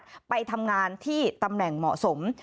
ไปทำงานที่ตำแหน่งเหมาะสม